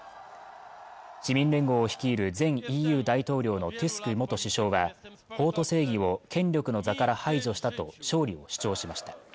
市民連合を率いる前ＥＵ大統領のトゥスク元首相が法と正義を権力の座から排除したと勝利を主張しました